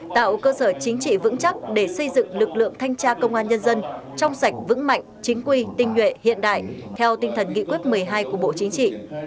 tạo cơ sở chính trị vững chắc để xây dựng lực lượng thanh tra công an nhân dân trong sạch vững mạnh chính quy tinh nhuệ hiện đại theo tinh thần nghị quyết một mươi hai của bộ chính trị